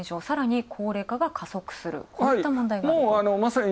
さらに高齢化が加速する、こういった問題。